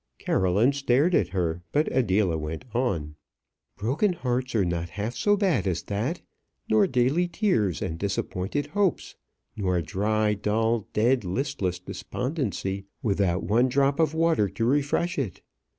Caroline stared at her, but Adela went on. "Broken hearts are not half so bad as that; nor daily tears and disappointed hopes, nor dry, dull, dead, listless despondency without one drop of water to refresh it!